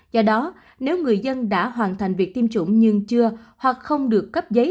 do đó nếu người dân đã hoàn thành việc tiêm chủng nhưng chưa hoặc không được cấp giấy